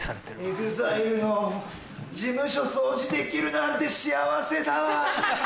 ＥＸＩＬＥの事務所掃除できるなんて幸せだわ。